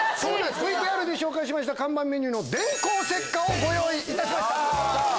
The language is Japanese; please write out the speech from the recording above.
ＶＴＲで紹介した看板メニューの電光石火をご用意いたしました。